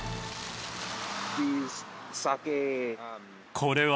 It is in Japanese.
これは。